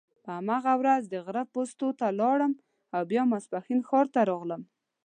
په هماغه ورځ د غره پوستو ته ولاړم او بیا ماپښین ښار ته راغلم.